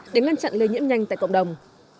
để ngăn chặn lây nhiễm nhanh tại cộng đồng